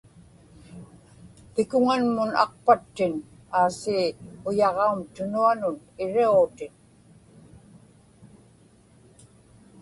pikuŋanmun aqpattin aasii uyaġaum tunuanun iriġutin